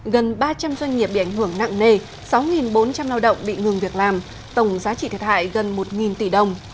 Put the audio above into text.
gần ba trăm linh doanh nghiệp bị ảnh hưởng nặng nề sáu bốn trăm linh lao động bị ngừng việc làm tổng giá trị thiệt hại gần một tỷ đồng